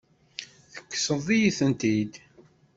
Tekkseḍ-iyi-tent-id.